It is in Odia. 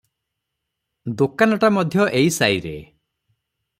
ଦୋକାନଟା ମଧ୍ୟ ଏଇ ସାଇରେ ।